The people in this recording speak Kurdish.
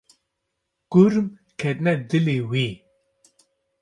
Kurm ketine dilê wê.